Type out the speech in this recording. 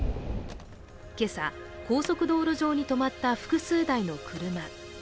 今朝、高速道路上に止まった複数台の車。